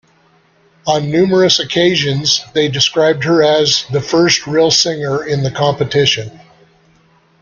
On numerous occasions they described her as, "the first "real" singer in the competition".